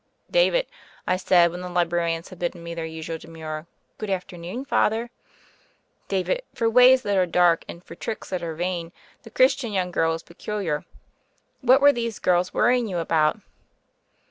"David," I said, when the librarians had bid den me their usual demure "Good afternoon, Father," "David, for ways that are dark, and for tricks that are vain the Christian young girl is peculiar. What were those girls worrying you about?"